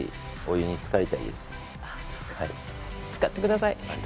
浸かってください。